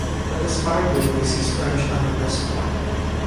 But this arguably sees French on her best form.